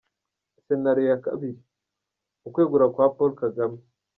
Senario ya kabiri : Ukwegura kwa Paul Kagame